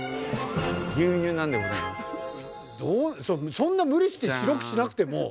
そんな無理して白くしなくても。